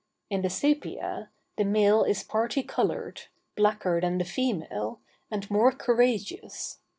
In the sæpia, the male is parti colored, blacker than the female, and more courageous.